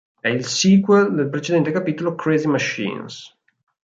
È il sequel del precedente capitolo "Crazy Machines".